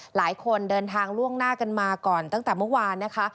หลายคนเดินทางล่วงหน้ากันมาก่อนตั้งแต่เมื่อวานนะคะ